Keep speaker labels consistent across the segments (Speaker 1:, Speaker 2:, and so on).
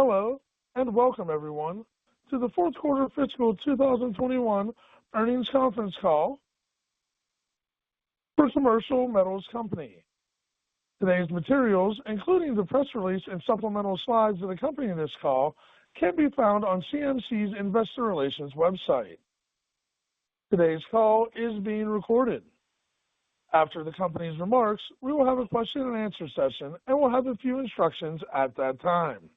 Speaker 1: Hello, and welcome everyone to the fourth quarter fiscal 2021 earnings conference call for Commercial Metals Company. Today's materials, including the press release and supplemental slides that accompany this call, can be found on CMC's Investor Relations website. Today's call is being recorded. After the company's remarks, we will have a question and answer session and we'll have a few instructions at that time.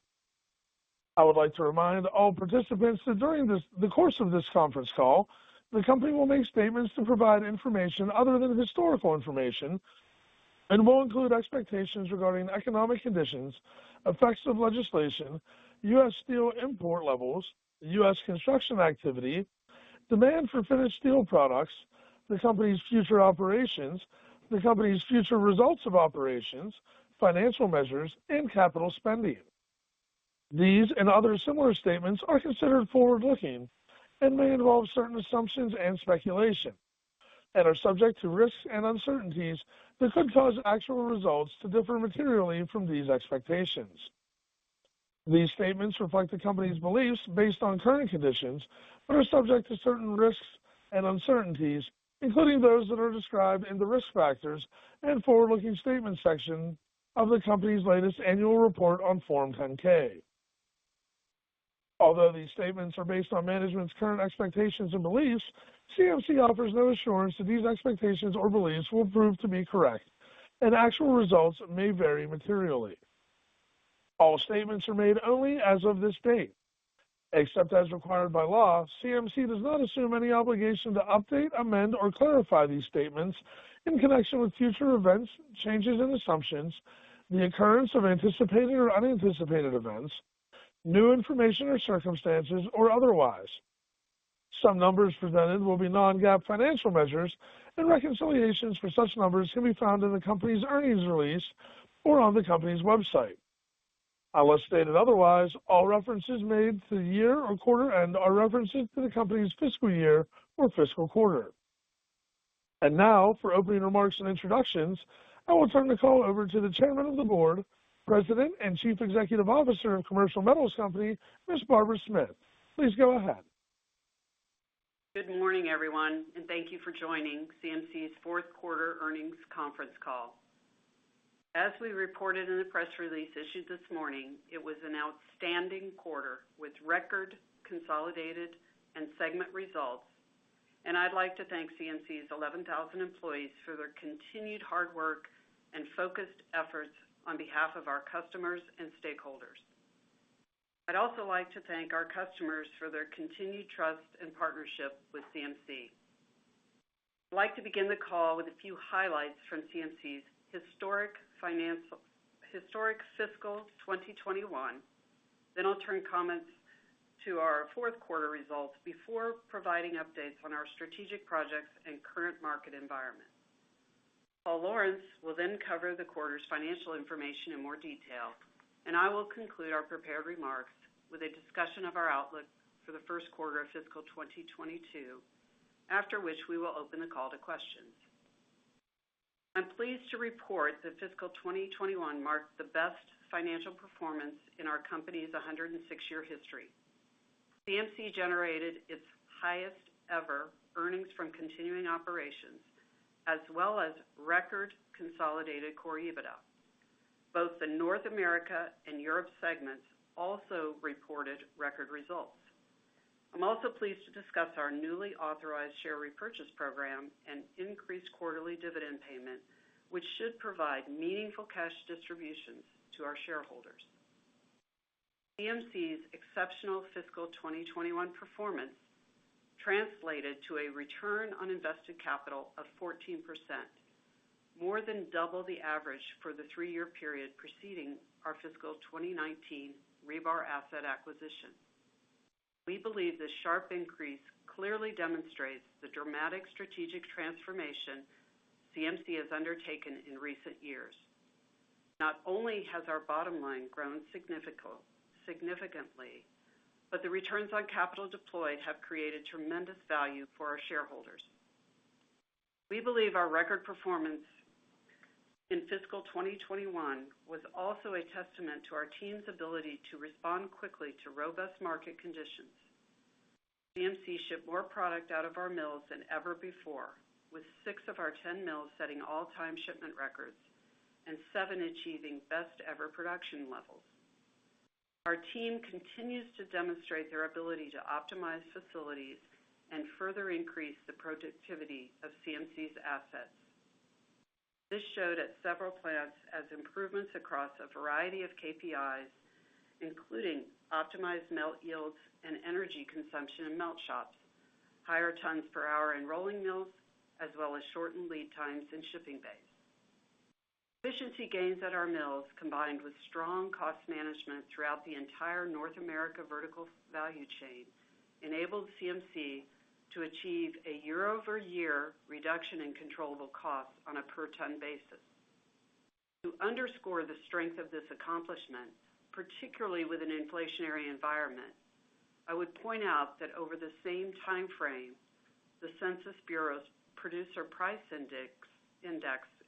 Speaker 1: I would like to remind all participants that during the course of this conference call, the company will make statements to provide information other than historical information, and will include expectations regarding economic conditions, effects of legislation, U.S. steel import levels, U.S. construction activity, demand for finished steel products, the company's future operations, the company's future results of operations, financial measures, and capital spending. These and other similar statements are considered forward-looking and may involve certain assumptions and speculation, and are subject to risks and uncertainties that could cause actual results to differ materially from these expectations. These statements reflect the company's beliefs based on current conditions, but are subject to certain risks and uncertainties, including those that are described in the Risk Factors and Forward-Looking Statements section of the company's latest annual report on Form 10-K. Although these statements are based on management's current expectations and beliefs, CMC offers no assurance that these expectations or beliefs will prove to be correct, and actual results may vary materially. All statements are made only as of this date. Except as required by law, CMC does not assume any obligation to update, amend, or clarify these statements in connection with future events, changes in assumptions, the occurrence of anticipated or unanticipated events, new information or circumstances, or otherwise. Some numbers presented will be non-GAAP financial measures and reconciliations for such numbers can be found in the company's earnings release or on the company's website. Unless stated otherwise, all references made to the year or quarter end are references to the company's fiscal year or fiscal quarter. Now, for opening remarks and introductions, I will turn the call over to the Chairman of the Board, President, and Chief Executive Officer of Commercial Metals Company, Ms. Barbara Smith. Please go ahead.
Speaker 2: Good morning everyone? Thank you for joining CMC's fourth quarter earnings conference call. As we reported in the press release issued this morning, it was an outstanding quarter with record consolidated and segment results, and I'd like to thank CMC's 11,000 employees for their continued hard work and focused efforts on behalf of our customers and stakeholders. I'd also like to thank our customers for their continued trust and partnership with CMC. I'd like to begin the call with a few highlights from CMC's historic fiscal 2021, then I'll turn comments to our fourth quarter results before providing updates on our strategic projects and current market environment. Paul Lawrence will then cover the quarter's financial information in more detail, and I will conclude our prepared remarks with a discussion of our outlook for the first quarter of fiscal 2022, after which we will open the call to questions. I'm pleased to report that fiscal 2021 marked the best financial performance in our company's 106-year history. CMC generated its highest ever earnings from continuing operations, as well as record consolidated Core EBITDA. Both the North America and Europe segments also reported record results. I'm also pleased to discuss our newly authorized share repurchase program and increased quarterly dividend payment, which should provide meaningful cash distributions to our shareholders. CMC's exceptional fiscal 2021 performance translated to a Return on Invested Capital of 14%, more than double the average for the three-year period preceding our fiscal 2019 rebar asset acquisition. We believe this sharp increase clearly demonstrates the dramatic strategic transformation CMC has undertaken in recent years. Not only has our bottom line grown significantly, but the returns on capital deployed have created tremendous value for our shareholders. We believe our record performance in fiscal 2021 was also a testament to our team's ability to respond quickly to robust market conditions. CMC shipped more product out of our mills than ever before, with six of our 10 mills setting all-time shipment records and seven achieving best ever production levels. Our team continues to demonstrate their ability to optimize facilities and further increase the productivity of CMC's assets. This showed at several plants as improvements across a variety of KPIs, including optimized melt yields and energy consumption in melt shops, higher tons per hour in rolling mills, as well as shortened lead times in shipping bays. Efficiency gains at our mills, combined with strong cost management throughout the entire North America vertical value chain, enabled CMC to achieve a year-over-year reduction in controllable costs on a per ton basis. To underscore the strength of this accomplishment, particularly with an inflationary environment I would point out that over the same time frame, the Census Bureau's Producer Price Index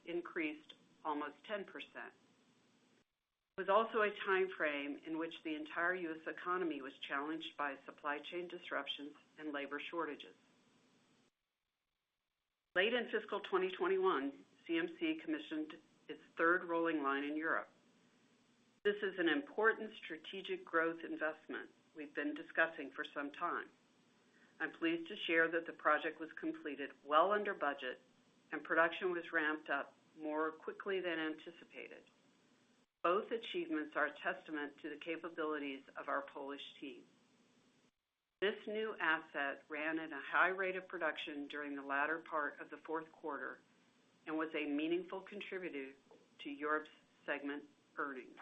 Speaker 2: increased almost 10%. It was also a time frame in which the entire U.S. economy was challenged by supply chain disruptions and labor shortages. Late in fiscal 2021, CMC commissioned its third rolling line in Europe. This is an important strategic growth investment we've been discussing for some time. I'm pleased to share that the project was completed well under budget, and production was ramped up more quickly than anticipated. Both achievements are a testament to the capabilities of our Polish team. This new asset ran at a high rate of production during the latter part of the fourth quarter and was a meaningful contributor to Europe's segment earnings.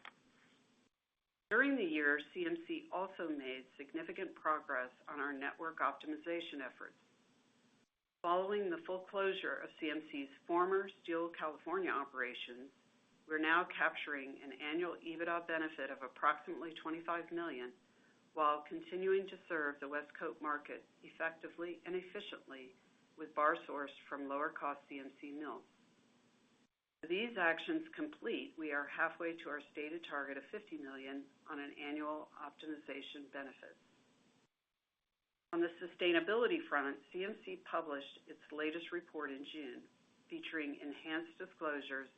Speaker 2: During the year, CMC also made significant progress on our network optimization efforts. Following the full closure of CMC's former Steel California Operations, we're now capturing an annual EBITDA benefit of approximately $25 million while continuing to serve the West Coast market effectively and efficiently with bar sourced from lower-cost CMC mills. With these actions complete, we are halfway to our stated target of $50 million on an annual optimization benefit. On the sustainability front, CMC published its latest report in June, featuring enhanced disclosures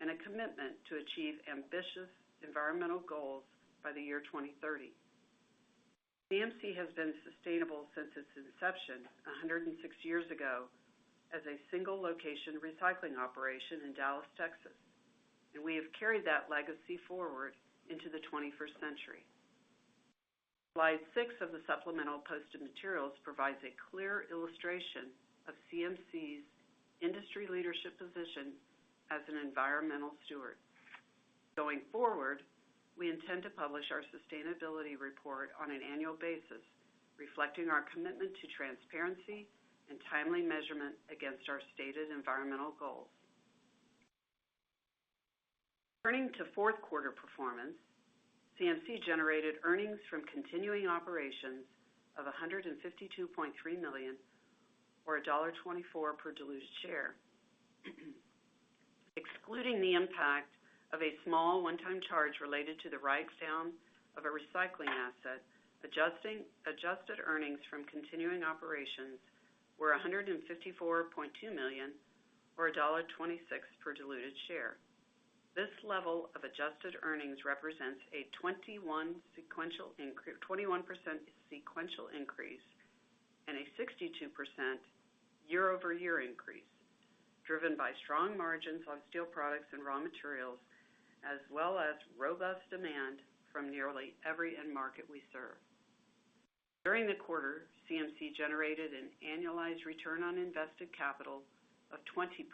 Speaker 2: and a commitment to achieve ambitious environmental goals by the year 2030. CMC has been sustainable since its inception 106 years ago as a single-location recycling operation in Dallas, Texas, and we have carried that legacy forward into the 21st century. Slide six of the supplemental posted materials provides a clear illustration of CMC's industry leadership position as an environmental steward. Going forward, we intend to publish our sustainability report on an annual basis, reflecting our commitment to transparency and timely measurement against our stated environmental goals. Turning to fourth quarter performance, CMC generated earnings from continuing operations of $152.3 million, or $1.24 per diluted share. Excluding the impact of a small one-time charge related to the write-down of a recycling asset, adjusted earnings from continuing operations were $154.2 million, or $1.26 per diluted share. This level of adjusted earnings represents a 21% sequential increase and a 62% year-over-year increase, driven by strong margins on steel products and raw materials, as well as robust demand from nearly every end market we serve. During the quarter, CMC generated an annualized Return on Invested Capital of 20%,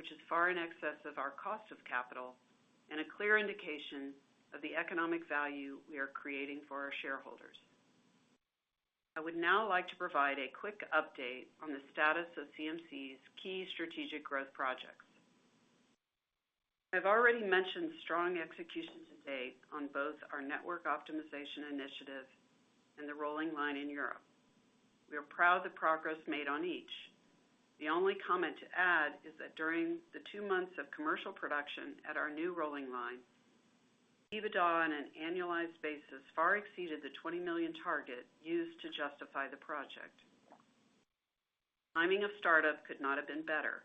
Speaker 2: which is far in excess of our cost of capital and a clear indication of the economic value we are creating for our shareholders. I would now like to provide a quick update on the status of CMC's key strategic growth projects. I've already mentioned strong execution to date on both our network optimization initiatives and the rolling line in Europe. We are proud of the progress made on each. The only comment to add is that during the two months of commercial production at our new rolling line, EBITDA on an annualized basis far exceeded the $20 million target used to justify the project. Timing of startup could not have been better.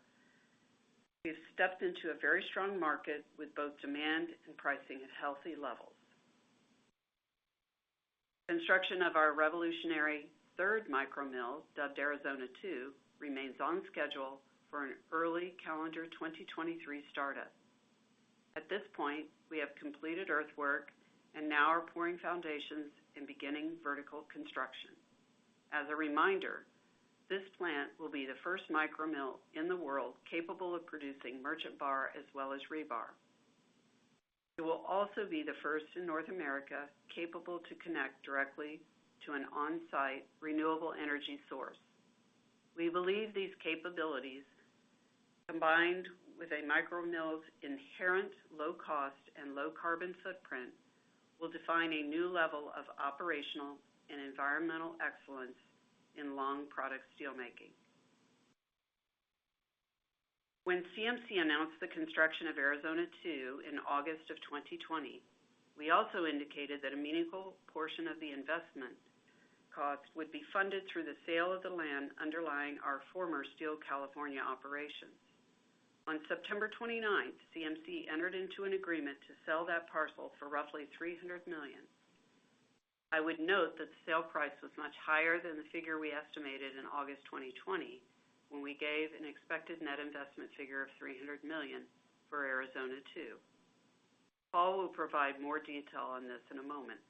Speaker 2: We've stepped into a very strong market with both demand and pricing at healthy levels. Construction of our revolutionary third micro mill, dubbed Arizona 2, remains on schedule for an early calendar 2023 startup. At this point, we have completed earthwork and now are pouring foundations and beginning vertical construction. As a reminder, this plant will be the first micro mill in the world capable of producing merchant bar as well as rebar. It will also be the first in North America capable to connect directly to an on-site renewable energy source. We believe these capabilities, combined with a micro mill's inherent low cost and low carbon footprint, will define a new level of operational and environmental excellence in long product steel making. When CMC announced the construction of Arizona 2 in August of 2020, we also indicated that a meaningful portion of the investment cost would be funded through the sale of the land underlying our former Steel California operations. On September 29th, CMC entered into an agreement to sell that parcel for roughly $300 million. I would note that the sale price was much higher than the figure we estimated in August 2020 when we gave an expected net investment figure of $300 million for Arizona 2. Paul will provide more detail on this in a moment.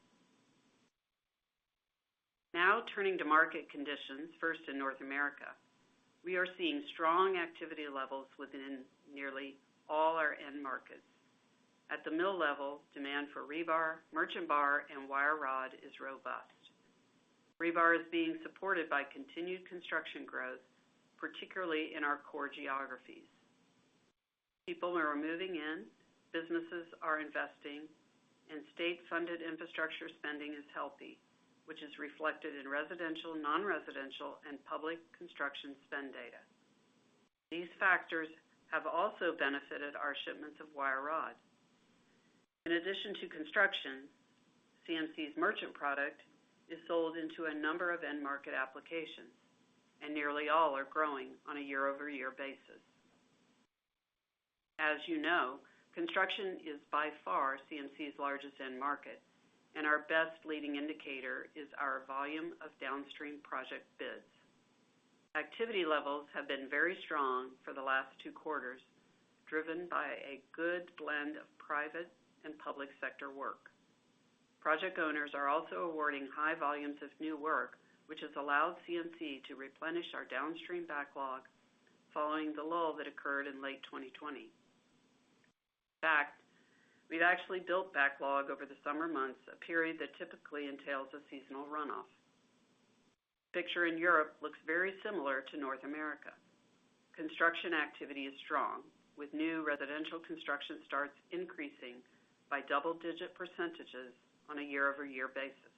Speaker 2: Turning to market conditions, first in North America. We are seeing strong activity levels within nearly all our end markets. At the mill level, demand for rebar, merchant bar, and wire rod is robust. Rebar is being supported by continued construction growth, particularly in our core geographies. People are moving in, businesses are investing, and state-funded infrastructure spending is healthy, which is reflected in residential, non-residential, and public construction spend data. These factors have also benefited our shipments of wire rod. In addition to construction, CMC's merchant product is sold into a number of end market applications, and nearly all are growing on a year-over-year basis. As you know, construction is by far CMC's largest end market, and our best leading indicator is our volume of downstream project bids. Activity levels have been very strong for the last two quarters, driven by a good blend of private and public sector work. Project owners are also awarding high volumes of new work, which has allowed CMC to replenish our downstream backlog following the lull that occurred in late 2020. In fact, we've actually built backlog over the summer months, a period that typically entails a seasonal runoff. The picture in Europe looks very similar to North America. Construction activity is strong, with new residential construction starts increasing by double-digit percentages on a year-over-year basis.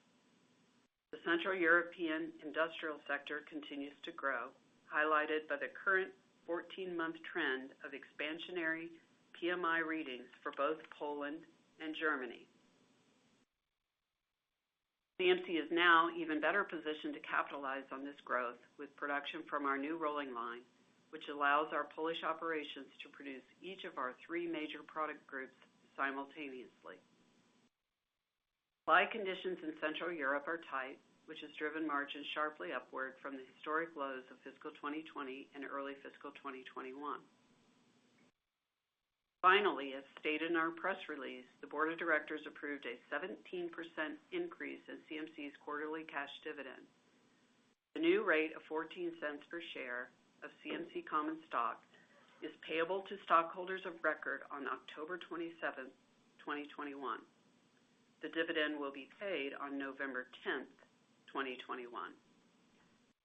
Speaker 2: The Central European industrial sector continues to grow, highlighted by the current 14-month trend of expansionary PMI readings for both Poland and Germany. CMC is now even better positioned to capitalize on this growth with production from our new rolling line, which allows our Polish operations to produce each of our three major product groups simultaneously. Supply conditions in Central Europe are tight, which has driven margins sharply upward from the historic lows of fiscal 2020 and early fiscal 2021. Finally, as stated in our press release, the Board of Directors approved a 17% increase in CMC's quarterly cash dividend. The new rate of $0.14 per share of CMC common stock is payable to stockholders of record on October 27th, 2021. The dividend will be paid on November 10th, 2021.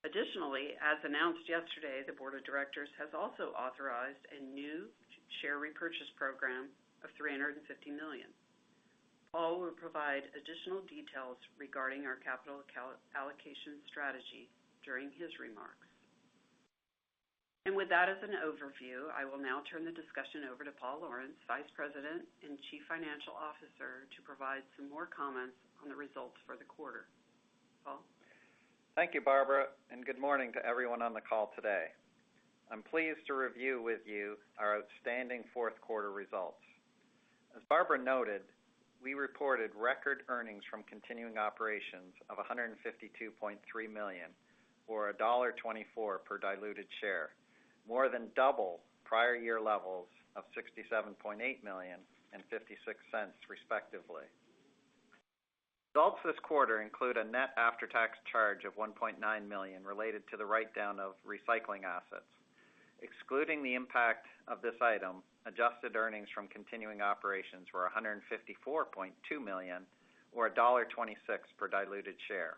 Speaker 2: Additionally, as announced yesterday, the Board of Directors has also authorized a new share repurchase program of $350 million. Paul will provide additional details regarding our capital allocation strategy during his remarks. With that as an overview, I will now turn the discussion over to Paul Lawrence, Vice President and Chief Financial Officer, to provide some more comments on the results for the quarter. Paul?
Speaker 3: Thank you, Barbara, and good morning to everyone on the call today? I am pleased to review with you our outstanding fourth quarter results. As Barbara noted, we reported record earnings from continuing operations of $152.3 million, or $1.24 per diluted share, more than double prior year levels of $67.8 million and $0.56, respectively. Results this quarter include a net after-tax charge of $1.9 million related to the write-down of recycling assets. Excluding the impact of this item, adjusted earnings from continuing operations were $154.2 million, or $1.26 per diluted share.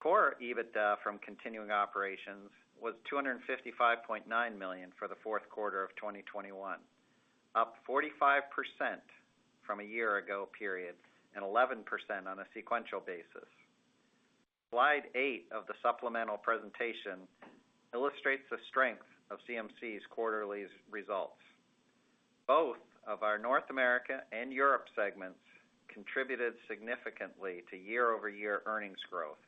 Speaker 3: Core EBITDA from continuing operations was $255.9 million for the fourth quarter of 2021, up 45% from a year ago period and 11% on a sequential basis. Slide eight of the supplemental presentation illustrates the strength of CMC's quarterly results. Both of our North America and Europe segments contributed significantly to year-over-year earnings growth.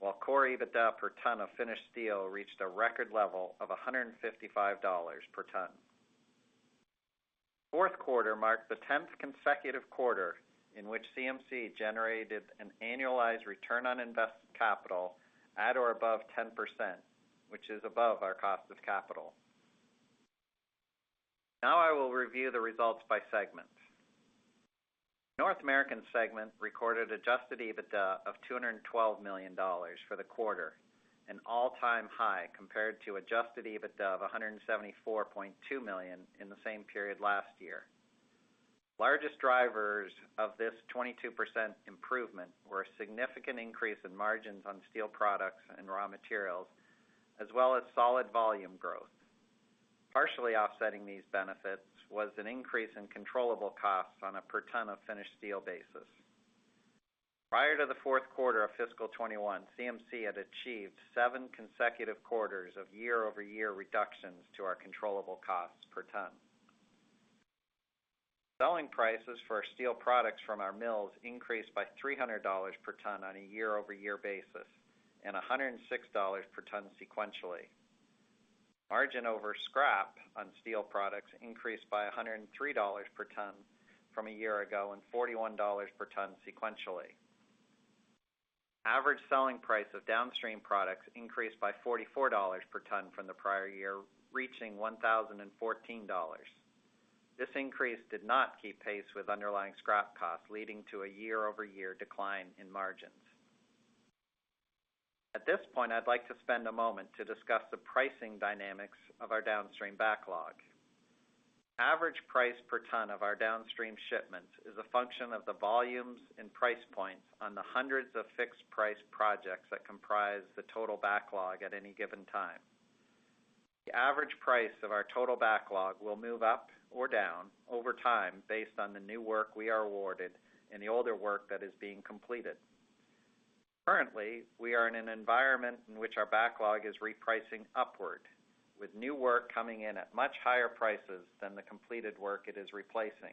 Speaker 3: While Core EBITDA per ton of finished steel reached a record level of $155 per ton. Fourth quarter marked the tenth consecutive quarter in which CMC generated an annualized Return on Invested Capital at or above 10%, which is above our cost of capital. Now I will review the results by segment. North American Segment recorded adjusted EBITDA of $212 million for the quarter, an all-time high compared to adjusted EBITDA of $174.2 million in the same period last year. Largest drivers of this 22% improvement were a significant increase in margins on steel products and raw materials, as well as solid volume growth. Partially offsetting these benefits was an increase in controllable costs on a per ton of finished steel basis. Prior to the fourth quarter of fiscal 2021, CMC had achieved seven consecutive quarters of year-over-year reductions to our controllable costs per ton. Selling prices for our steel products from our mills increased by $300 per ton on a year-over-year basis and $106 per ton sequentially. Margin over scrap on steel products increased by $103 per ton from a year ago and $41 per ton sequentially. Average selling price of downstream products increased by $44 per ton from the prior year, reaching $1,014. This increase did not keep pace with underlying scrap costs, leading to a year-over-year decline in margins. At this point, I'd like to spend a moment to discuss the pricing dynamics of our downstream backlog. Average price per ton of our downstream shipments is a function of the volumes and price points on the hundreds of fixed price projects that comprise the total backlog at any given time. The average price of our total backlog will move up or down over time based on the new work we are awarded and the older work that is being completed. Currently, we are in an environment in which our backlog is repricing upward, with new work coming in at much higher prices than the completed work it is replacing,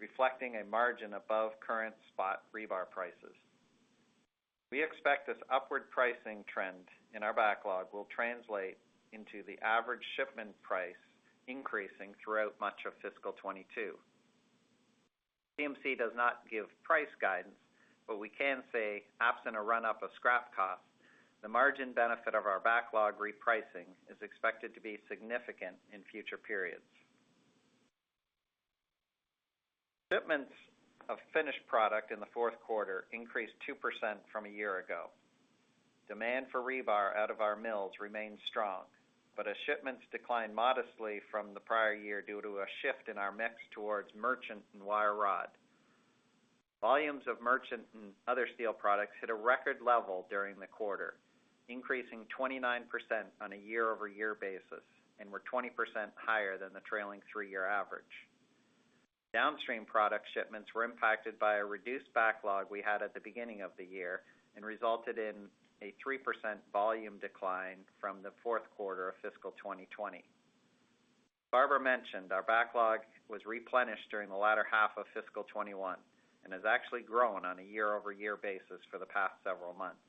Speaker 3: reflecting a margin above current spot rebar prices. We expect this upward pricing trend in our backlog will translate into the average shipment price increasing throughout much of fiscal 2022. CMC does not give price guidance, but we can say absent a run-up of scrap costs, the margin benefit of our backlog repricing is expected to be significant in future periods. Shipments of finished product in the fourth quarter increased 2% from a year ago. Demand for rebar out of our mills remained strong, as shipments declined modestly from the prior year due to a shift in our mix towards merchant and wire rod. Volumes of merchant and other steel products hit a record level during the quarter, increasing 29% on a year-over-year basis and were 20% higher than the trailing three-year average. Downstream product shipments were impacted by a reduced backlog we had at the beginning of the year and resulted in a 3% volume decline from the fourth quarter of fiscal 2020. Barbara mentioned our backlog was replenished during the latter half of fiscal 2021 and has actually grown on a year-over-year basis for the past several months.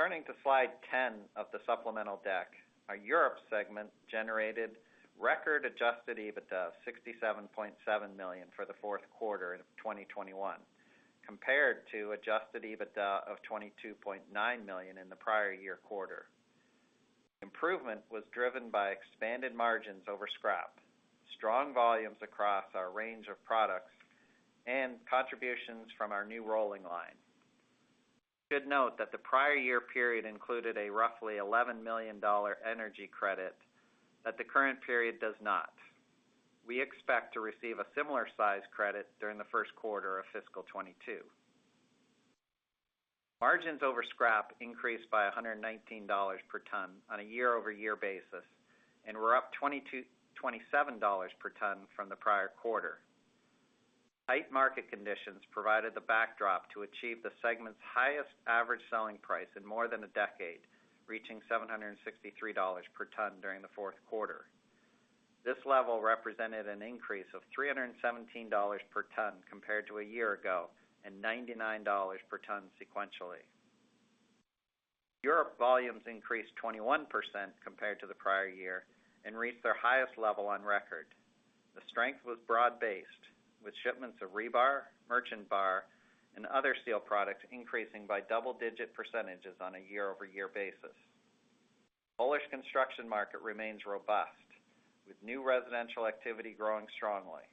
Speaker 3: Turning to slide 10 of the supplemental deck, our Europe segment generated record adjusted EBITDA of $67.7 million for the fourth quarter of 2021, compared to adjusted EBITDA of $22.9 million in the prior year quarter. Improvement was driven by expanded margins over scrap, strong volumes across our range of products, and contributions from our new rolling line. You should note that the prior year period included a roughly $11 million energy credit that the current period does not. We expect to receive a similar size credit during the first quarter of fiscal 2022. Margins over scrap increased by $119 per ton on a year-over-year basis and were up $27 per ton from the prior quarter. Tight market conditions provided the backdrop to achieve the segment's highest Average Selling Price in more than a decade, reaching $763 per ton during the fourth quarter. This level represented an increase of $317 per ton compared to a year ago, and $99 per ton sequentially. Europe volumes increased 21% compared to the prior year and reached their highest level on record. The strength was broad-based, with shipments of rebar, merchant bar, and other steel products increasing by double-digit percentages on a year-over-year basis. Bullish construction market remains robust, with new residential activity growing strongly.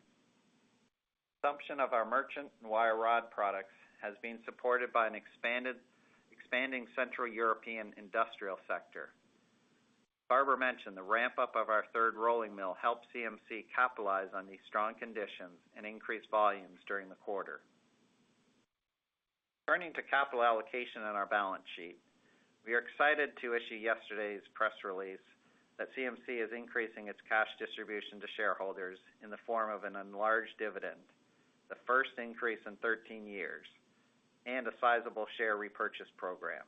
Speaker 3: Consumption of our merchant and wire rod products has been supported by an expanding Central European industrial sector. Barbara mentioned the ramp-up of our third rolling mill helped CMC capitalize on these strong conditions and increase volumes during the quarter. Turning to capital allocation on our balance sheet, we are excited to issue yesterday's press release that CMC is increasing its cash distribution to shareholders in the form of an enlarged dividend, the first increase in 13 years, and a sizable share repurchase program.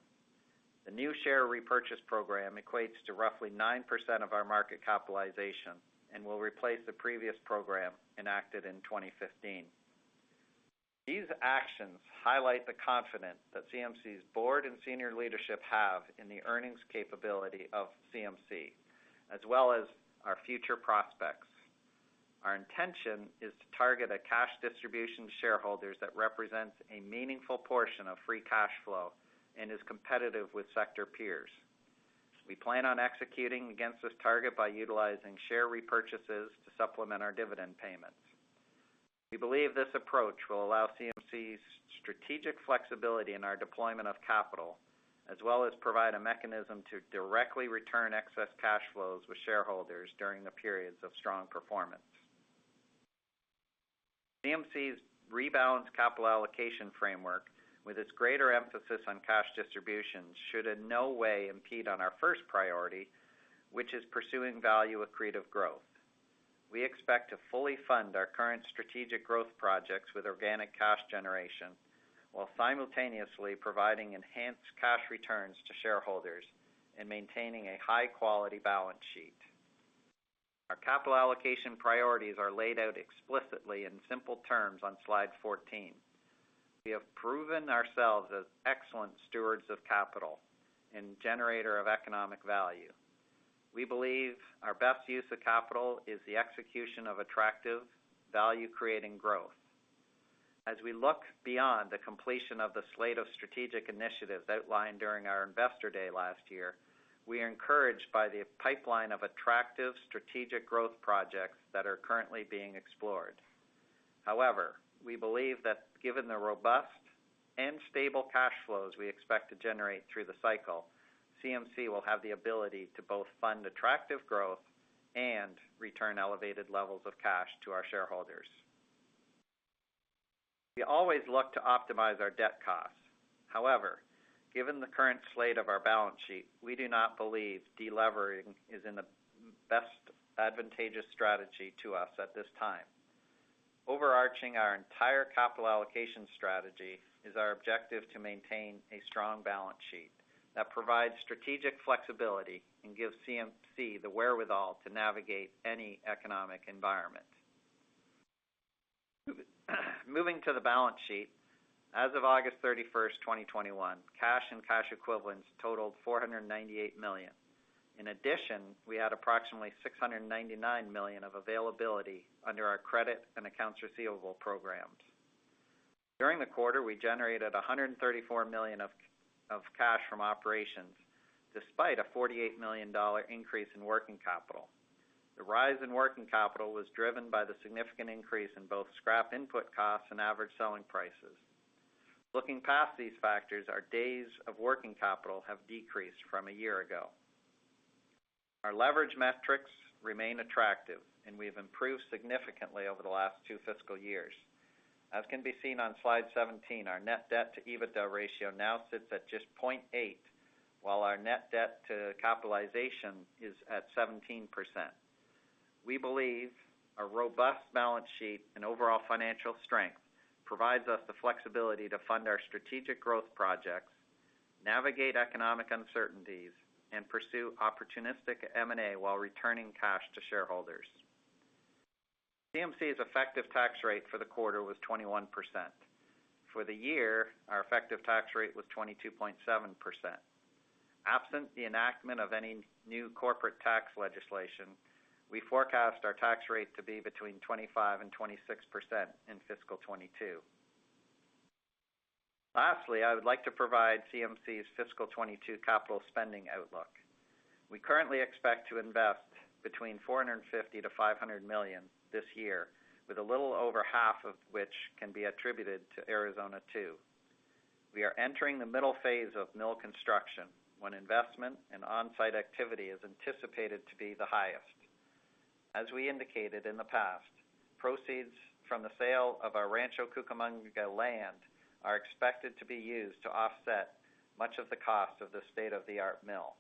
Speaker 3: The new share repurchase program equates to roughly 9% of our market capitalization and will replace the previous program enacted in 2015. These actions highlight the confidence that CMC's Board and Senior Leadership have in the earnings capability of CMC, as well as our future prospects. Our intention is to target a cash distribution to shareholders that represents a meaningful portion of free cash flow and is competitive with sector peers. We plan on executing against this target by utilizing share repurchases to supplement our dividend payments. We believe this approach will allow CMC strategic flexibility in our deployment of capital, as well as provide a mechanism to directly return excess cash flows with shareholders during the periods of strong performance. CMC's rebalanced capital allocation framework with its greater emphasis on cash distribution should in no way impede on our first priority, which is pursuing value-accretive growth. We expect to fully fund our current strategic growth projects with organic cash generation while simultaneously providing enhanced cash returns to shareholders and maintaining a high-quality balance sheet. Our capital allocation priorities are laid out explicitly in simple terms on slide 14. We have proven ourselves as excellent stewards of capital and generator of economic value. We believe our best use of capital is the execution of attractive, value-creating growth. As we look beyond the completion of the slate of strategic initiatives outlined during our investor day last year, we are encouraged by the pipeline of attractive strategic growth projects that are currently being explored. We believe that given the robust and stable cash flows we expect to generate through the cycle, CMC will have the ability to both fund attractive growth and return elevated levels of cash to our shareholders. We always look to optimize our debt costs. Given the current slate of our balance sheet, we do not believe de-levering is in the best advantageous strategy to us at this time. Overarching our entire capital allocation strategy is our objective to maintain a strong balance sheet that provides strategic flexibility and gives CMC the wherewithal to navigate any economic environment. Moving to the balance sheet, as of August 31st, 2021, cash and cash equivalents totaled $498 million. We had approximately $699 million of availability under our credit and accounts receivable programs. During the quarter, we generated $134 million of cash from operations, despite a $48 million increase in working capital. The rise in working capital was driven by the significant increase in both scrap input costs and average selling prices. Looking past these factors, our days of working capital have decreased from a year ago. Our leverage metrics remain attractive, and we've improved significantly over the last two fiscal years. As can be seen on slide 17, our net debt to EBITDA ratio now sits at just 0.8, while our net debt to capitalization is at 17%. We believe a robust balance sheet and overall financial strength provides us the flexibility to fund our strategic growth projects, navigate economic uncertainties, and pursue opportunistic M&A while returning cash to shareholders. CMC's effective tax rate for the quarter was 21%. For the year, our effective tax rate was 22.7%. Absent the enactment of any new corporate tax legislation, we forecast our tax rate to be between 25% and 26% in fiscal 2022. Lastly, I would like to provide CMC's fiscal 2022 capital spending outlook. We currently expect to invest between $450 million-$500 million this year, with a little over half of which can be attributed to Arizona 2. We are entering the middle phase of mill construction, when investment and on-site activity is anticipated to be the highest. As we indicated in the past, proceeds from the sale of our Rancho Cucamonga land are expected to be used to offset much of the cost of the state-of-the-art mill.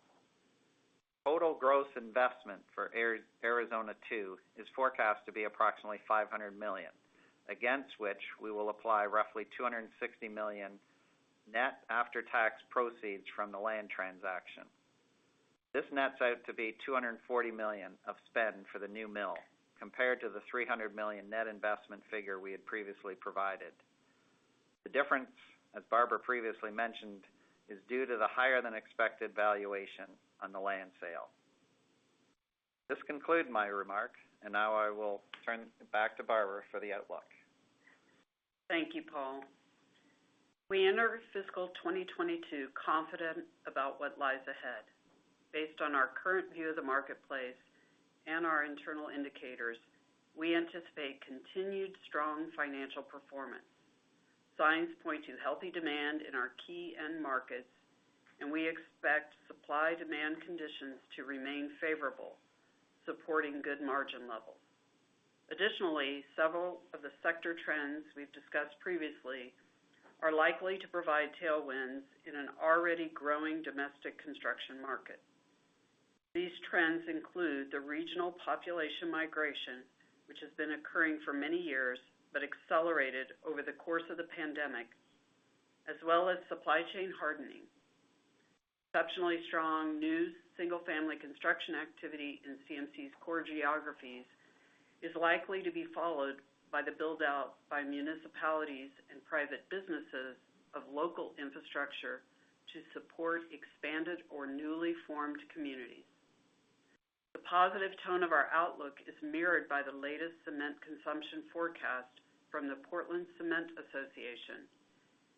Speaker 3: Total gross investment for Arizona 2 is forecast to be approximately $500 million, against which we will apply roughly $260 million net after-tax proceeds from the land transaction. This nets out to be $240 million of spend for the new mill, compared to the $300 million net investment figure we had previously provided. The difference, as Barbara previously mentioned, is due to the higher-than-expected valuation on the land sale. This concludes my remarks, and now I will turn it back to Barbara for the outlook.
Speaker 2: Thank you, Paul. We enter fiscal 2022 confident about what lies ahead. Based on our current view of the marketplace and our internal indicators, we anticipate continued strong financial performance. Signs point to healthy demand in our key end markets, we expect supply-demand conditions to remain favorable, supporting good margin levels. Additionally, several of the sector trends we've discussed previously are likely to provide tailwinds in an already growing domestic construction market. These trends include the regional population migration, which has been occurring for many years but accelerated over the course of the pandemic, as well as supply chain hardening. Exceptionally strong new single-family construction activity in CMC's core geographies is likely to be followed by the build-out by municipalities and private businesses of local infrastructure to support expanded or newly formed communities. The positive tone of our outlook is mirrored by the latest cement consumption forecast from the Portland Cement Association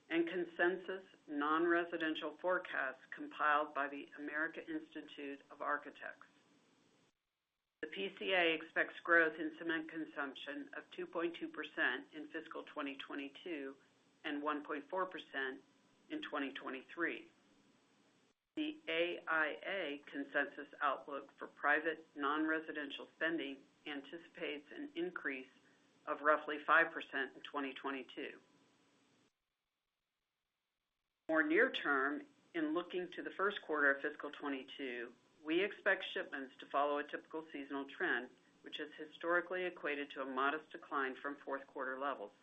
Speaker 2: and consensus non-residential forecasts compiled by The American Institute of Architects. The PCA expects growth in cement consumption of 2.2% in fiscal 2022 and 1.4% in 2023. The AIA consensus outlook for private non-residential spending anticipates an increase of roughly 5% in 2022. More near-term, in looking to the first quarter of fiscal 2022, we expect shipments to follow a typical seasonal trend, which has historically equated to a modest decline from fourth quarter levels.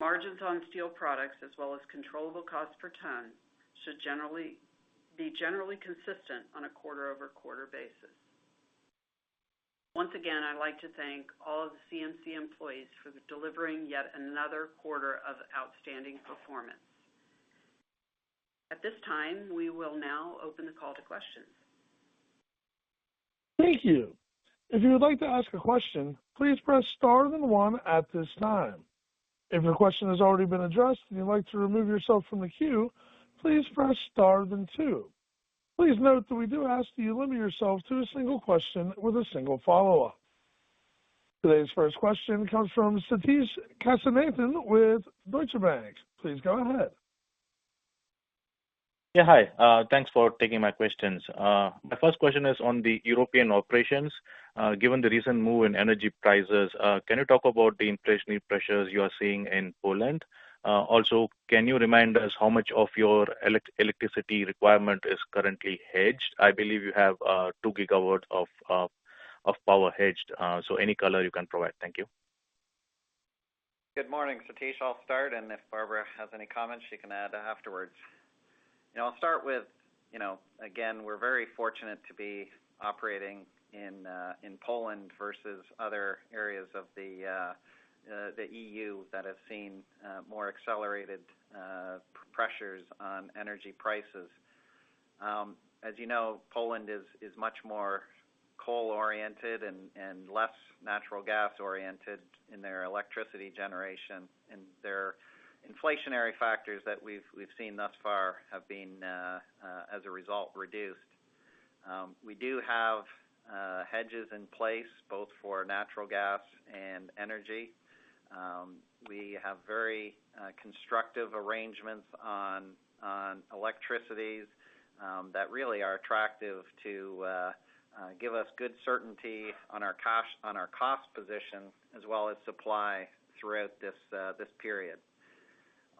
Speaker 2: Margins on steel products, as well as controllable cost per ton, should be generally consistent on a quarter-over-quarter basis. Once again, I'd like to thank all of the CMC employees for delivering yet another quarter of outstanding performance. At this time, we will now open the call to questions.
Speaker 1: Thank you. If you would like to ask a question, please press star then one at this time. If your question has already been addressed and you'd like to remove yourself from the queue, please press star then two. Please note that we do ask that you limit yourself to a one question with a one follow-up. Today's first question comes from Sathish Kasinathan with Deutsche Bank, please go ahead.
Speaker 4: Hi, thanks for taking my questions. My first question is on the European operations. Given the recent move in energy prices, can you talk about the inflationary pressures you are seeing in Poland? Also, can you remind us how much of your electricity requirement is currently hedged? I believe you have 2 GW of power hedged. Any color you can provide. Thank you.
Speaker 3: Good morning, Sathish. I'll start, and if Barbara has any comments, she can add afterwards. I'll start with, again, we're very fortunate to be operating in Poland versus other areas of the EU that have seen more accelerated pressures on energy prices. As you know, Poland is much more coal-oriented and less natural gas-oriented in their electricity generation, and their inflationary factors that we've seen thus far have been, as a result, reduced. We do have hedges in place both for natural gas and energy. We have very constructive arrangements on electricity that really are attractive to give us good certainty on our cost position as well as supply throughout this period.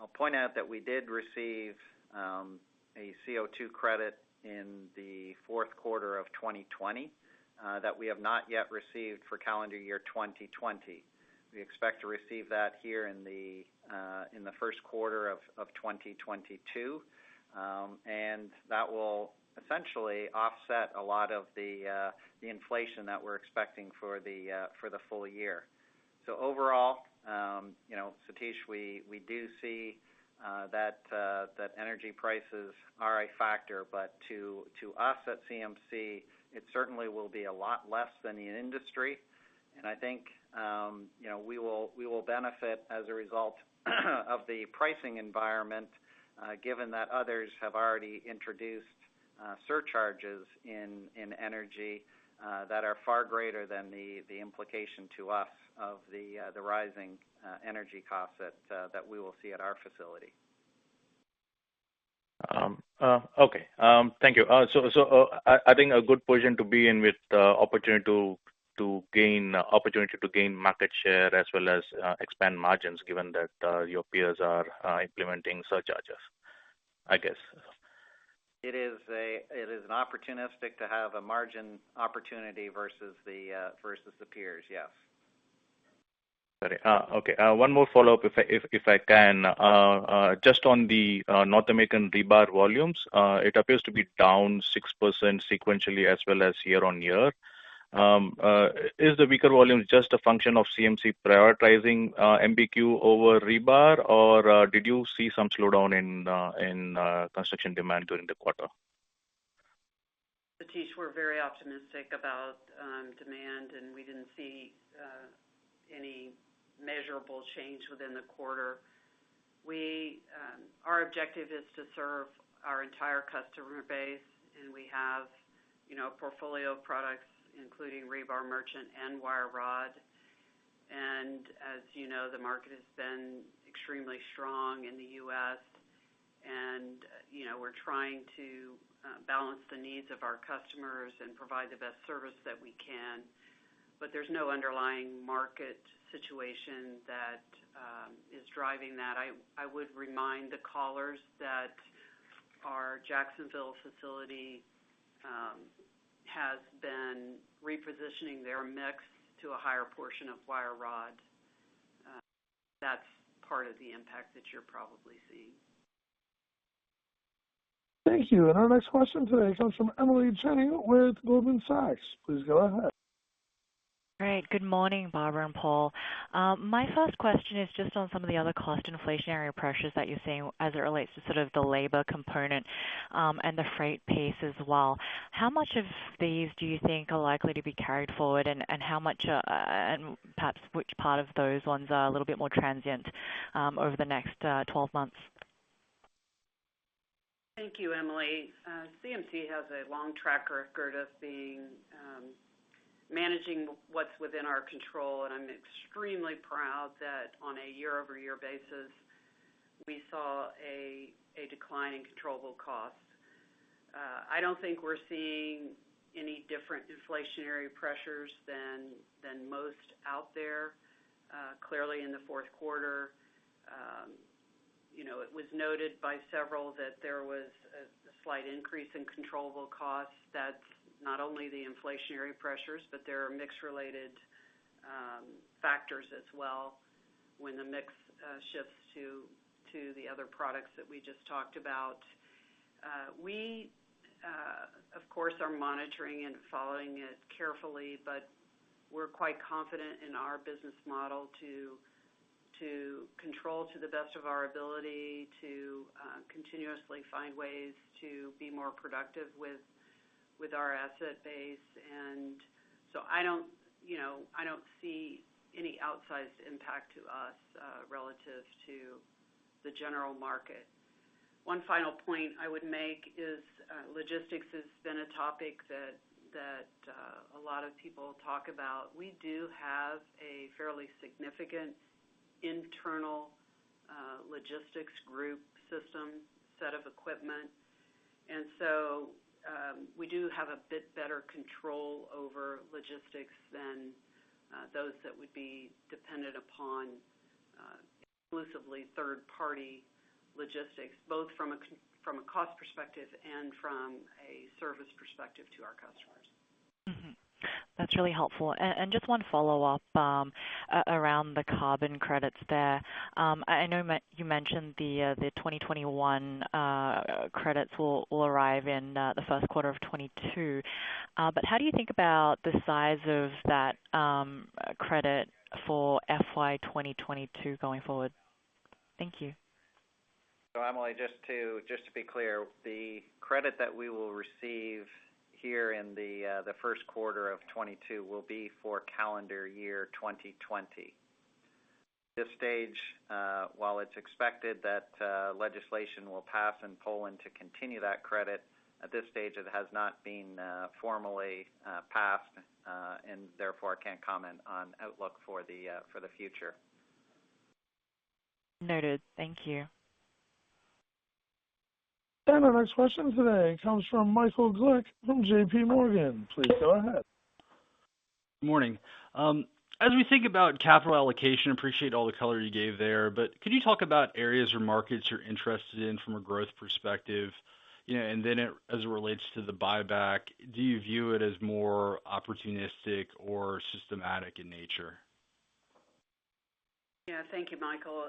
Speaker 3: I'll point out that we did receive a CO2 credit in the fourth quarter of 2020, that we have not yet received for calendar year 2020. We expect to receive that here in the first quarter of 2022, and that will essentially offset a lot of the inflation that we're expecting for the full year. Overall, Satish, we do see that energy prices are a factor, but to us at CMC, it certainly will be a lot less than the industry. I think we will benefit as a result of the pricing environment, given that others have already introduced surcharges in energy that are far greater than the implication to us of the rising energy costs that we will see at our facility.
Speaker 4: Okay. Thank you. I think a good position to be in with the opportunity to gain market share as well as expand margins, given that your peers are implementing surcharges, I guess.
Speaker 3: It is an opportunity to have a margin opportunity versus the peers, yes.
Speaker 4: Sorry. Okay, one more follow-up if I can. Just on the North American rebar volumes, it appears to be down 6% sequentially as well as year-on-year. Is the weaker volume just a function of CMC prioritizing MBQ over rebar, or did you see some slowdown in construction demand during the quarter?
Speaker 2: Satish, we're very optimistic about demand. We didn't see any measurable change within the quarter. Our objective is to serve our entire customer base. We have a portfolio of products, including rebar, merchant, and wire rod. As you know, the market has been extremely strong in the U.S., and we're trying to balance the needs of our customers and provide the best service that we can. There's no underlying market situation that is driving that. I would remind the callers that our Jacksonville facility has been repositioning their mix to a higher portion of wire rod. That's part of the impact that you're probably seeing.
Speaker 1: Thank you. Our next question today comes from Emily Chieng with Goldman Sachs, please go ahead.
Speaker 5: All right. Good morning Barbara and Paul? My first question is just on some of the other cost inflationary pressures that you're seeing as it relates to the labor component, and the freight piece as well. How much of these do you think are likely to be carried forward, and perhaps which part of those ones are a little bit more transient over the next 12 months?
Speaker 2: Thank you, Emily. CMC has a long track record of managing what's within our control, and I'm extremely proud that on a year-over-year basis, we saw a decline in controllable costs. I don't think we're seeing any different inflationary pressures than most out there. Clearly in the fourth quarter, it was noted by several that there was a slight increase in controllable costs. That's not only the inflationary pressures, but there are mix-related factors as well when the mix shifts to the other products that we just talked about. We, of course, are monitoring and following it carefully, but we're quite confident in our business model to control to the best of our ability to continuously find ways to be more productive with our asset base. I don't see any outsized impact to us relative to the general market. One final point I would make is, logistics has been a topic that a lot of people talk about. We do have a fairly significant internal logistics group system set of equipment, and so we do have a bit better control over logistics than those that would be dependent upon exclusively third-party logistics, both from a cost perspective and from a service perspective to our customers.
Speaker 5: That's really helpful. Just one follow-up around the carbon credits there. I know you mentioned the 2021 credits will arrive in the first quarter of 2022, how do you think about the size of that credit for FY 2022 going forward? Thank you.
Speaker 3: Emily, just to be clear, the credit that we will receive here in the 1st quarter of 2022 will be for calendar year 2020. At this stage, while it's expected that legislation will pass in Poland to continue that credit, at this stage it has not been formally passed, and therefore I can't comment on outlook for the future.
Speaker 5: Noted. Thank you.
Speaker 1: Our next question today comes from Michael Glick from JPMorgan, please go ahead.
Speaker 6: Good morning. As we think about capital allocation, appreciate all the color you gave there, but could you talk about areas or markets you're interested in from a growth perspective? As it relates to the buyback, do you view it as more opportunistic or systematic in nature?
Speaker 2: Yeah. Thank you, Michael.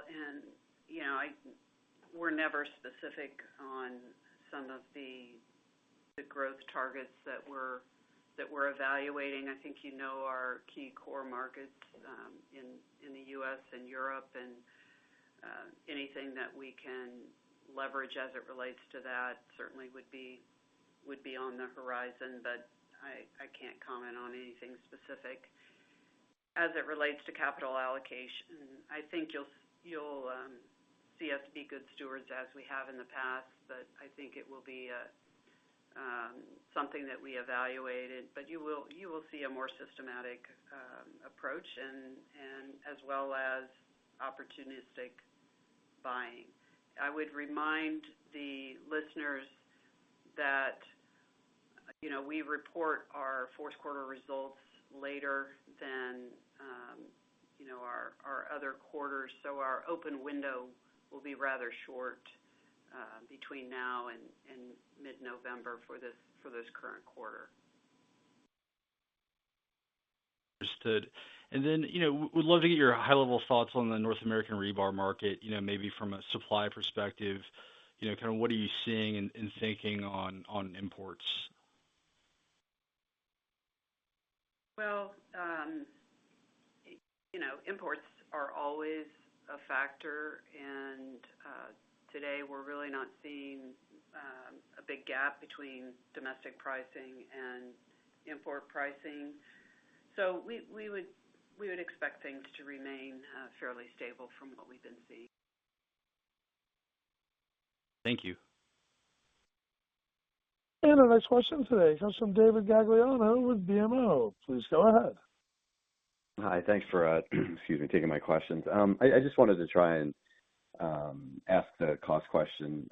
Speaker 2: We're never specific on some of the growth targets that we're evaluating. I think you know our key core markets in the U.S. and Europe, and anything that we can leverage as it relates to that certainly would be on the horizon, but I can't comment on anything specific. As it relates to capital allocation, I think you'll see us be good stewards as we have in the past, but I think it will be something that we evaluated. You will see a more systematic approach, and as well as opportunistic buying. I would remind the listeners that we report our fourth quarter results later than our other quarters, so our open window will be rather short between now and mid-November for this current quarter.
Speaker 6: Understood. Would love to get your high-level thoughts on the North American rebar market, maybe from a supply perspective. What are you seeing and thinking on imports?
Speaker 2: Well, imports are always a factor, and today we're really not seeing a big gap between domestic pricing and import pricing. We would expect things to remain fairly stable from what we've been seeing.
Speaker 6: Thank you.
Speaker 1: Our next question today comes from David Gagliano with BMO, please go ahead.
Speaker 7: Hi, thanks for taking my questions. I just wanted to try and ask the cost question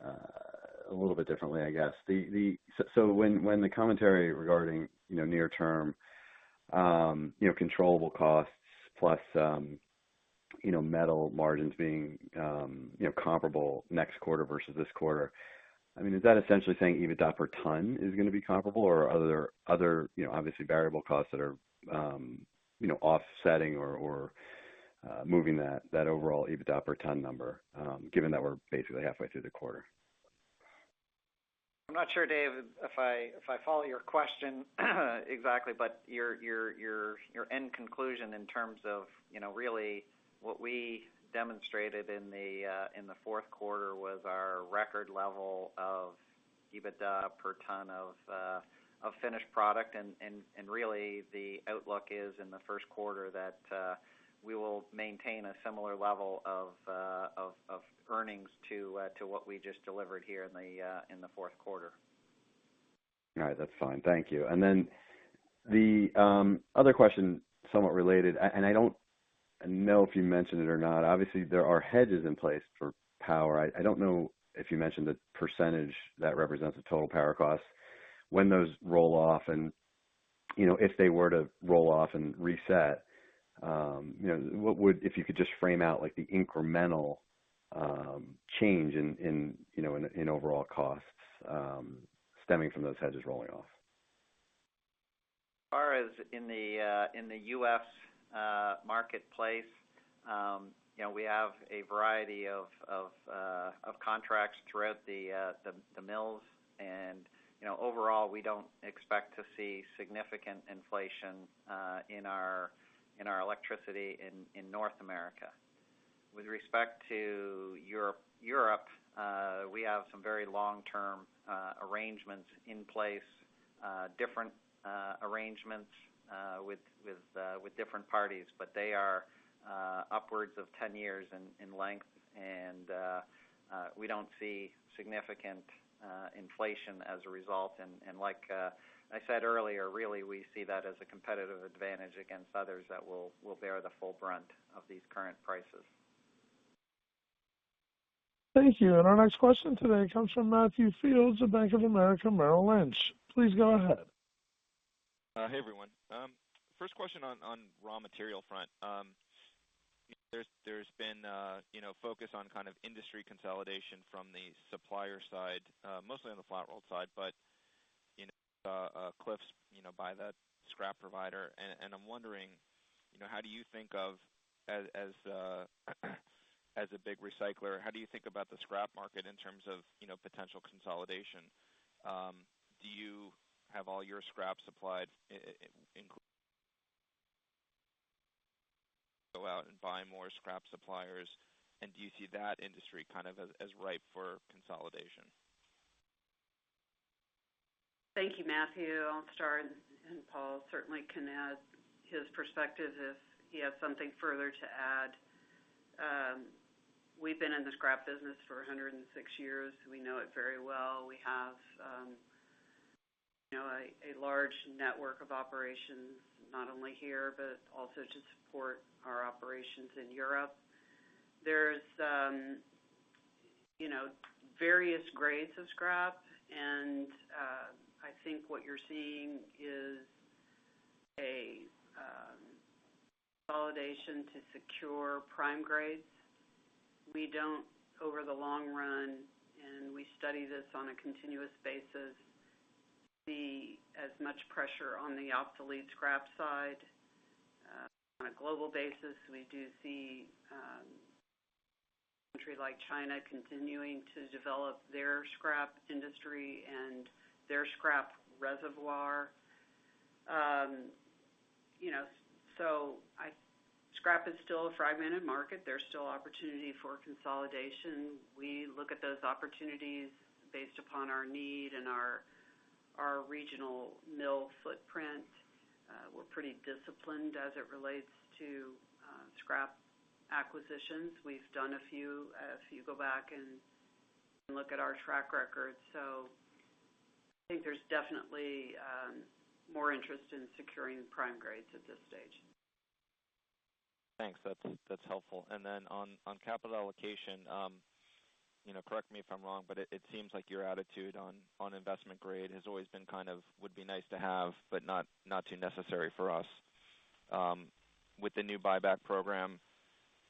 Speaker 7: a little bit differently, I guess. When the commentary regarding near term, controllable costs plus metal margins being comparable next quarter versus this quarter, is that essentially saying EBITDA per ton is going to be comparable or are there other, obviously variable costs that are offsetting or moving that overall EBITDA per ton number, given that we're basically halfway through the quarter?
Speaker 3: I'm not sure, Dave, if I follow your question exactly, but your end conclusion in terms of really what we demonstrated in the fourth quarter was our record level of EBITDA per ton of finished product. Really the outlook is in the first quarter that we will maintain a similar level of earnings to what we just delivered here in the fourth quarter.
Speaker 7: All right. That's fine. Thank you. The other question, somewhat related, and I don't know if you mentioned it or not, obviously there are hedges in place for power. I don't know if you mentioned the percentage that represents the total power cost when those roll off, and if they were to roll off and reset, if you could just frame out the incremental change in overall costs stemming from those hedges rolling off.
Speaker 3: As far as in the U.S. marketplace, we have a variety of contracts throughout the mills, and overall, we don't expect to see significant inflation in our electricity in North America. With respect to Europe, we have some very long-term arrangements in place, different arrangements with different parties, but they are upwards of 10 years in length, and we don't see significant inflation as a result. Like I said earlier, really, we see that as a competitive advantage against others that will bear the full brunt of these current prices.
Speaker 1: Thank you. Our next question today comes from Matthew Fields of Bank of America Merrill Lynch, please go ahead.
Speaker 8: Hey, everyone? First question on raw material front. There's been focus on kind of industry consolidation from the supplier side, mostly on the flat roll side, but Cliffs buy that scrap provider, and I'm wondering, as a big recycler, how do you think about the scrap market in terms of potential consolidation? Do you have all your scrap supplied in go out and buy more scrap suppliers, and do you see that industry kind of as ripe for consolidation?
Speaker 2: Thank you, Matthew. Paul certainly can add his perspective if he has something further to add. We've been in the scrap business for 106 years. We know it very well. We have a large network of operations, not only here, but also to support our operations in Europe. There's various grades of scrap, and I think what you're seeing is a consolidation to secure prime grades. We don't, over the long run, and we study this on a continuous basis, see as much pressure on the obsolete scrap side. On a global basis, we do see a country like China continuing to develop their scrap industry and their scrap reservoir. Scrap is still a fragmented market. There's still opportunity for consolidation. We look at those opportunities based upon our need and our regional mill footprint. We're pretty disciplined as it relates to scrap acquisitions. We've done a few, if you go back and look at our track record. I think there's definitely more interest in securing prime grades at this stage.
Speaker 8: Thanks. That's helpful. On capital allocation, correct me if I'm wrong, but it seems like your attitude on investment grade has always been kind of, would be nice to have, but not too necessary for us. With the new buyback program,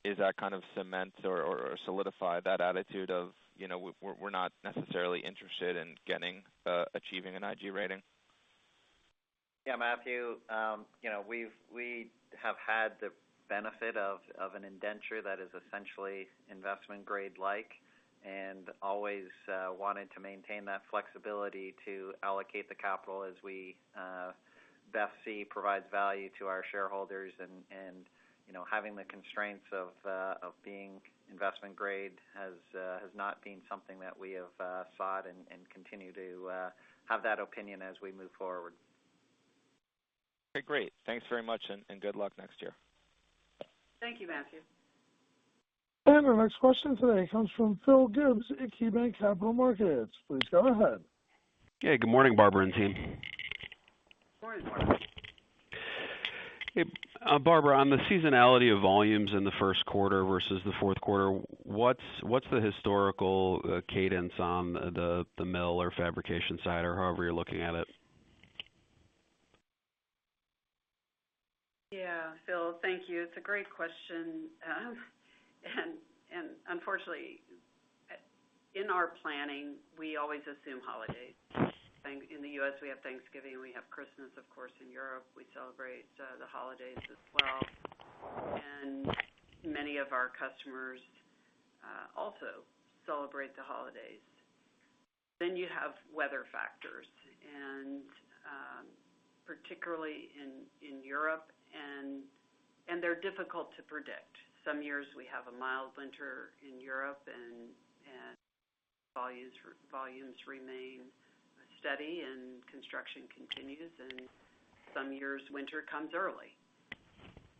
Speaker 8: is that kind of cement or solidify that attitude of, we're not necessarily interested in achieving an IG rating?
Speaker 3: Matthew, we have had the benefit of an indenture that is essentially investment grade-like, and always wanted to maintain that flexibility to allocate the capital as we best see provides value to our shareholders, and having the constraints of being investment grade has not been something that we have sought, and continue to have that opinion as we move forward.
Speaker 8: Okay, great. Thanks very much, and good luck next year.
Speaker 2: Thank you, Matthew.
Speaker 1: Our next question today comes from Philip Gibbs at KeyBanc Capital Markets, please go ahead.
Speaker 9: Good morning, Barbara and team?
Speaker 3: Morning, Philip.
Speaker 9: Barbara, on the seasonality of volumes in the first quarter versus the fourth quarter, what's the historical cadence on the mill or fabrication side, or however you're looking at it?
Speaker 2: Yeah, Phil, thank you. It's a great question. Unfortunately, in our planning, we always assume holidays. In the U.S., we have Thanksgiving, we have Christmas. Of course, in Europe, we celebrate the holidays as well. Many of our customers also celebrate the holidays. You have weather factors, and particularly in Europe, and they're difficult to predict. Some years we have a mild winter in Europe and volumes remain steady and construction continues, and some years winter comes early.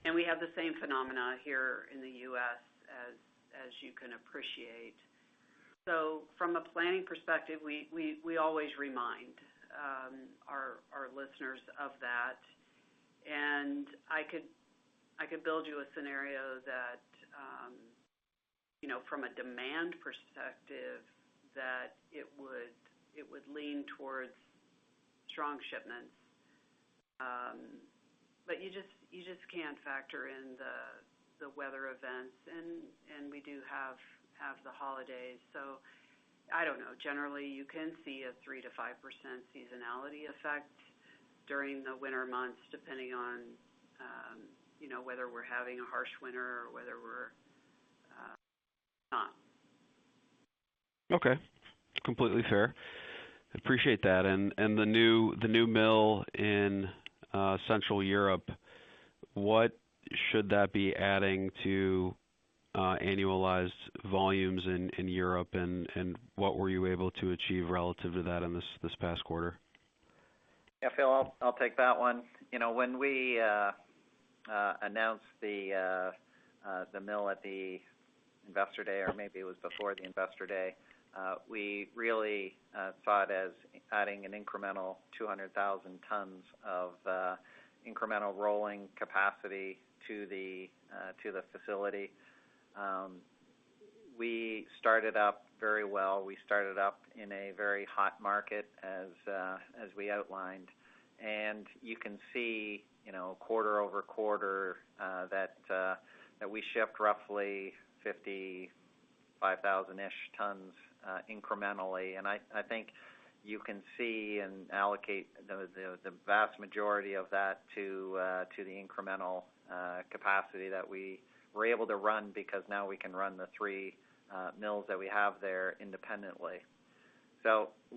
Speaker 2: We have the same phenomena here in the U.S. as you can appreciate. From a planning perspective, we always remind our listeners of that. I could build you a scenario that from a demand perspective, that it would lean towards strong shipments. You just can't factor in the weather events. We do have the holidays. I don't know. Generally, you can see a 3%-5% seasonality effect during the winter months, depending on whether we're having a harsh winter or whether we're.
Speaker 9: Okay, completely fair. Appreciate that. The new mill in Central Europe, what should that be adding to annualized volumes in Europe, and what were you able to achieve relative to that in this past quarter?
Speaker 3: Yeah, Phil, I'll take that one. When we announced the mill at the investor day, or maybe it was before the investor day, we really saw it as adding an incremental 200,000 tons of incremental rolling capacity to the facility. We started up very well. We started up in a very hot market, as we outlined. You can see, quarter-over-quarter, that we shipped roughly 55,000-ish tons incrementally. I think you can see and allocate the vast majority of that to the incremental capacity that we were able to run, because now we can run the three mills that we have there independently.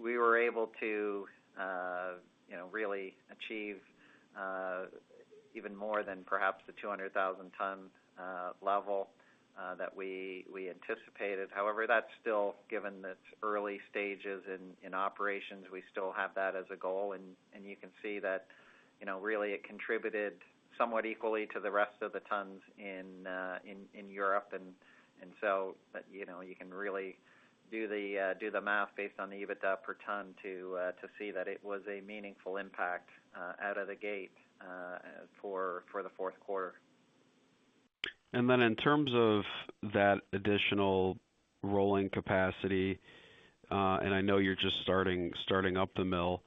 Speaker 3: We were able to really achieve even more than perhaps the 200,000-ton level that we anticipated. However, that's still given its early stages in operations. We still have that as a goal, you can see that really it contributed somewhat equally to the rest of the tons in Europe. So you can really do the math based on the EBITDA per ton to see that it was a meaningful impact out of the gate for the fourth quarter.
Speaker 9: In terms of that additional rolling capacity, and I know you're just starting up the mill,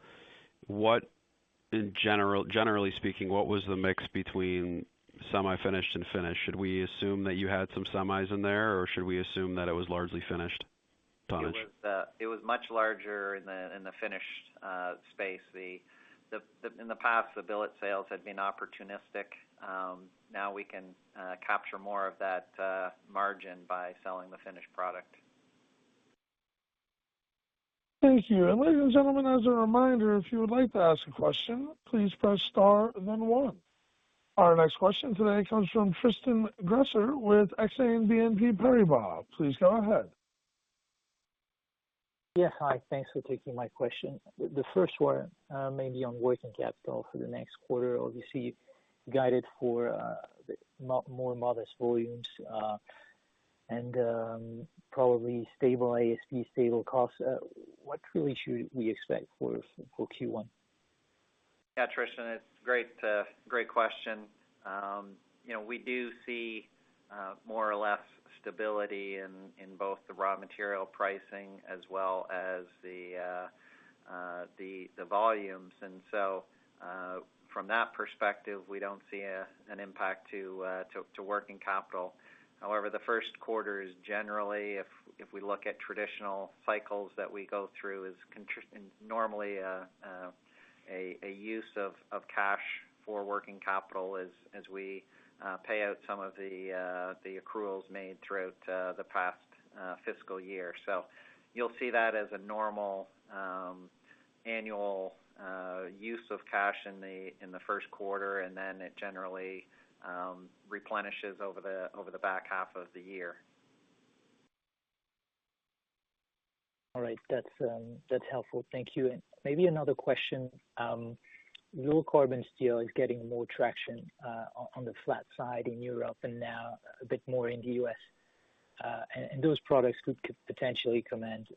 Speaker 9: generally speaking, what was the mix between semi-finished and finished? Should we assume that you had some semis in there, or should we assume that it was largely finished tonnage?
Speaker 3: It was much larger in the finished space. In the past, the billet sales had been opportunistic. Now we can capture more of that margin by selling the finished product.
Speaker 1: Thank you. Ladies and gentlemen, as a reminder, if you would like to ask a question, please press Star and then one. Our next question today comes from Tristan Gresser with Exane BNP Paribas, please go ahead.
Speaker 10: Yeah. Hi, thanks for taking my question. The first one may be on working capital for the next quarter. Obviously, guided for more modest volumes, and probably stable ASP, stable cost. What really should we expect for Q1?
Speaker 3: Yeah, Tristan, it's a great question. We do see more or less stability in both the raw material pricing as well as the volumes. From that perspective, we don't see an impact to working capital. However, the first quarter is generally, if we look at traditional cycles that we go through, is normally a use of cash for working capital as we pay out some of the accruals made throughout the past fiscal year. You'll see that as a normal annual use of cash in the first quarter, and then it generally replenishes over the back half of the year.
Speaker 10: All right. That's helpful. Thank you. Maybe another question. Low-carbon steel is getting more traction on the flat side in Europe and now a bit more in the U.S., and those products could potentially command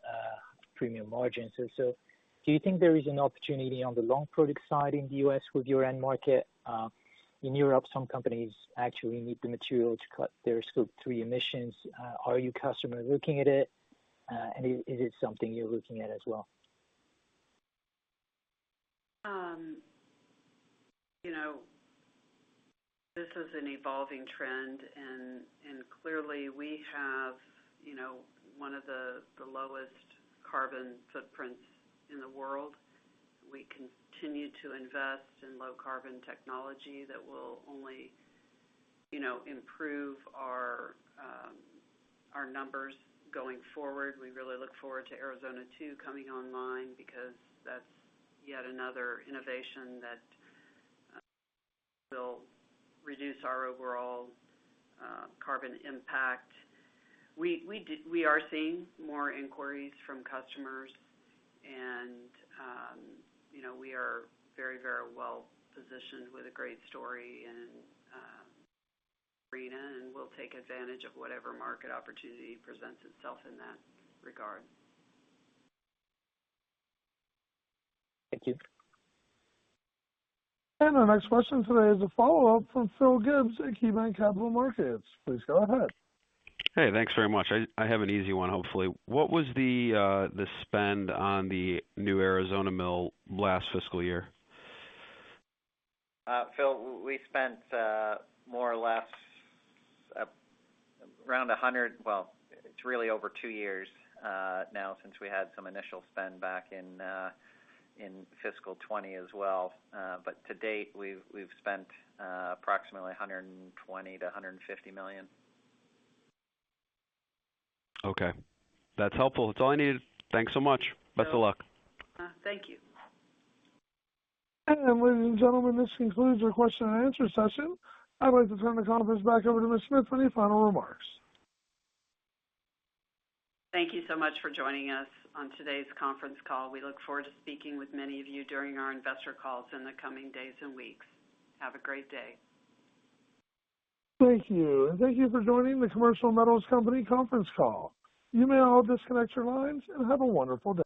Speaker 10: premium margins. Do you think there is an opportunity on the long product side in the U.S. with your end market? In Europe, some companies actually need the material to cut their Scope 3 emissions. Are your customers looking at it? Is it something you're looking at as well?
Speaker 3: This is an evolving trend. Clearly, we have one of the lowest carbon footprints in the world. We continue to invest in low-carbon technology that will only improve our numbers going forward. We really look forward to Arizona 2 coming online because that's yet another innovation that will reduce our overall carbon impact. We are seeing more inquiries from customers. We are very well-positioned with a great story in and we'll take advantage of whatever market opportunity presents itself in that regard.
Speaker 10: Thank you.
Speaker 1: Our next question today is a follow-up from Philip Gibbs at KeyBanc Capital Markets, please go ahead.
Speaker 9: Hey, thanks very much. I have an easy one, hopefully. What was the spend on the new Arizona mill last fiscal year?
Speaker 3: Phil, we spent more or less around $100. Well, it's really over two years now since we had some initial spend back in fiscal 2020 as well. To date, we've spent approximately $120 million-$150 million.
Speaker 9: Okay. That's helpful. That's all I needed. Thanks so much. Best of luck.
Speaker 3: Thank you.
Speaker 1: Ladies and gentlemen, this concludes our question and answer session. I'd like to turn the conference back over to Ms. Smith for any final remarks.
Speaker 2: Thank you so much for joining us on today's conference call. We look forward to speaking with many of you during our investor calls in the coming days and weeks. Have a great day.
Speaker 1: Thank you. Thank you for joining the Commercial Metals Company conference call. You may all disconnect your lines, and have a wonderful day.